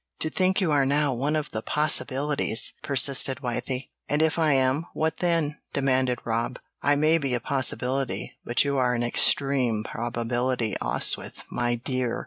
To think you are now one of the possibilities!" persisted Wythie. "And if I am, what then?" demanded Rob. "I may be a possibility, but you are an extreme probability, Oswyth, my dear.